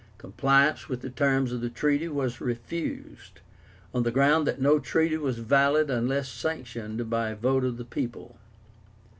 Compliance with the terms of the treaty was refused, on the ground that no treaty was valid unless sanctioned by a vote of the people.